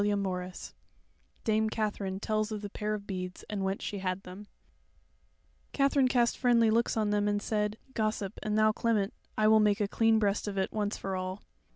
CHAPTER 28 Dame Katherine Tells of the Pair of Beads, and Whence She Had Them Katherine cast friendly looks on them and said: "Gossip, and thou, Clement, I will make a clean breast of it once for all.